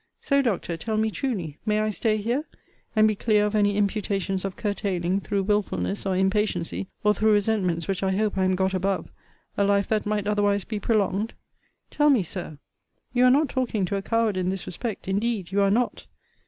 So, Doctor, tell me truly, may I stay here, and be clear of any imputations of curtailing, through wilfulness or impatiency, or through resentments which I hope I am got above, a life that might otherwise be prolonged? Tell me, Sir; you are not talking to a coward in this respect; indeed you are not!